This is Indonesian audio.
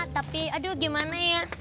tapi aduh gimana ya